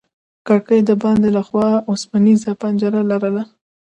کړکۍ د باندې له خوا وسپنيزه پنجره لرله.